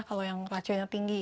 kalau yang racunnya tinggi